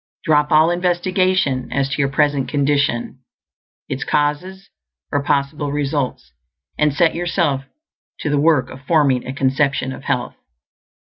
_Drop all investigation as to your present condition, its causes, or possible results, and set yourself to the work of forming a conception of health.